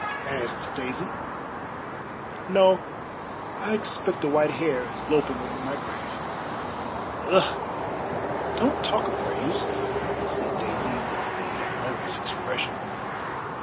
asked Daisy. "No; I expect a white hare is loping over my grave." "Ugh! Don't talk of graves," said Daisy, with a nervous expression.